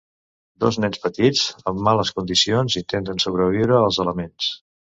Dos nens petits en males condicions intentant sobreviure als elements.